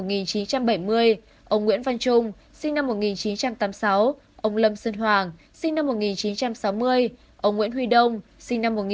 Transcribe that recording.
ông nguyễn văn trung sinh năm một nghìn chín trăm tám mươi sáu ông lâm sơn hoàng sinh năm một nghìn chín trăm sáu mươi ông nguyễn huy đông sinh năm một nghìn chín trăm tám mươi hai